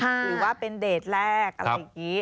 หรือว่าเป็นเดทแรกอะไรอย่างนี้